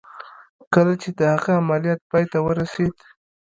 کله چې د هغه عملیات پای ته ورسېد